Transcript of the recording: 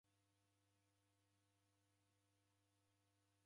W'omi w'azoya kukia.